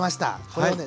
これはね